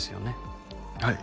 はい。